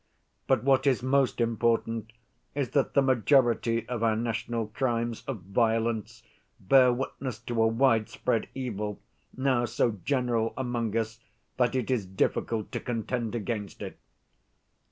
But what is most important is that the majority of our national crimes of violence bear witness to a widespread evil, now so general among us that it is difficult to contend against it.